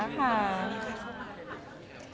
มีใครเข้ามาให้ดอกไม้ปิดสนา